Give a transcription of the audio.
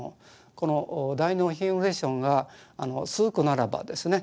この第２のインフレーションが続くならばですね